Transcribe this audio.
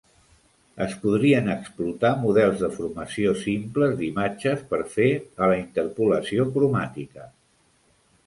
Es podrien explotar models de formació simples d'imatges per fer a la interpolació cromàtica.